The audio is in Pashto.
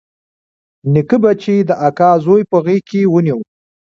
نيکه به چې د اکا زوى په غېږ کښې ونيو.